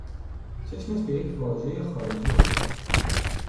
چشمش به یک واژهی خارجی افتاد.